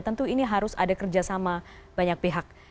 tentu ini harus ada kerjasama banyak pihak